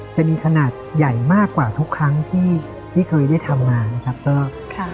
จะมีขนาดใหญ่มากกว่าทุกครั้งที่ที่เคยได้ทำมานะครับ